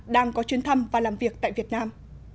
đang có chuyến thăm và làm việc tại việt nam